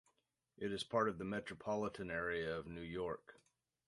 It is part of the metropolitan area of New York.